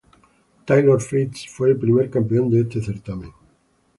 Taylor Fritz fue el primer campeón de este certamen.